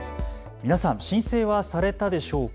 皆さん申請はされたでしょうか。